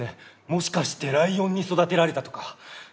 もしかしてライオンに育てられたとか？